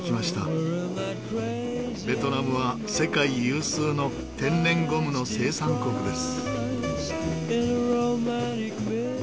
ベトナムは世界有数の天然ゴムの生産国です。